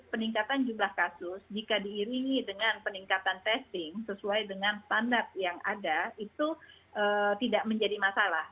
peningkatan jumlah kasus jika diiringi dengan peningkatan testing sesuai dengan standar yang ada itu tidak menjadi masalah